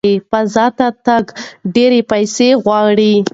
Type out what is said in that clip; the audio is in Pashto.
فضا ته تګ ډېرې پیسې غواړي.